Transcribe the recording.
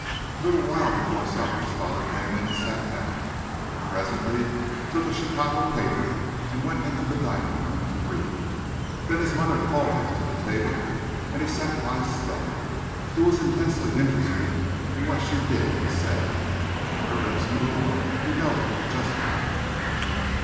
A little while before supper his father came in and sat down, but presently took a Chicago paper and went into the dining room to read. Then his mother called them to the table, and he sat by Stella. He was intensely interested in what she did and said. If her lips moved he noted just how.